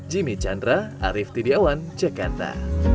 jimmy chandra arief tidiawan jakarta